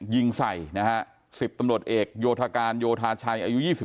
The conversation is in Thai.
ยิงใส่นะครับสิบตำรวจเอกโยธกานโยธาชัย